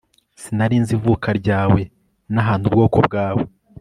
Sinari nzi ivuka ryawe nahantu ubwoko bwawe